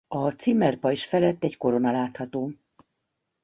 A címerpajzs felett egy korona látható.